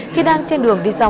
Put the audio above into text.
khi đang trên đường đi giao hàng